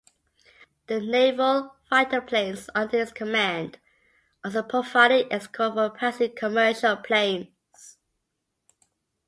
The naval fighter planes under his command also provided escort for passing commercial planes.